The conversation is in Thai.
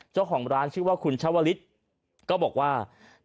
เจ้าของร้านชื่อว่าคุณชาวลิศก็บอกว่า